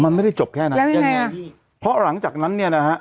มันไม่ได้จบแค่นั้นยังไงเพราะหลังจากนั้นเนี่ยนะฮะ